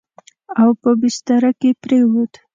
او په بستره کې پرېووت.